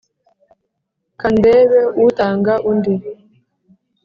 Kandebe utanga undi